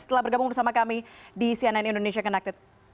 telah bergabung bersama kami di cnn indonesia connected